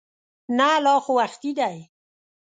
نه لا خو وختي دی.